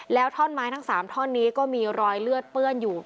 แล้วท่อนไม้ทั้ง๓ท่อนนี้ก็มีรอยเลือดเปื้อนอยู่